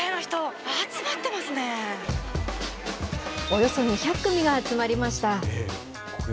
およそ２００組が集まりました。